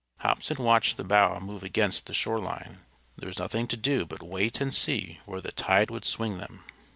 Hobson watched the bow move against the shore line. There was nothing to do but wait and see where the tide would swing them.